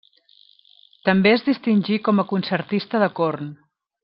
També es distingí com a concertista de corn.